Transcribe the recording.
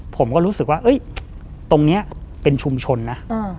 ผมก็รู้สึกว่าตรงนี้เป็นชุมชนนะ